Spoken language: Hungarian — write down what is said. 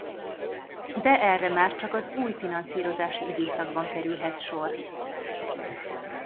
De erre már csak az új finanszírozási időszakban kerülhet sor.